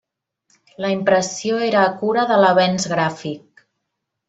La impressió era a cura de l'Avenç Gràfic.